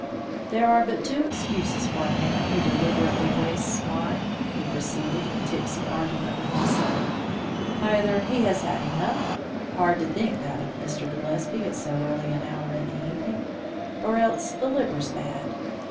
"There are but two excuses for a man who deliberately wastes wine," he proceeded, in tipsy argument with himself. "Either he has had enough hard to think that of Mr. Gillespie at so early an hour in the evening or else the liquor's bad.